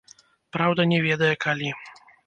Праўда, не ведае калі.